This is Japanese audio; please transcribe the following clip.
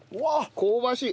香ばしい！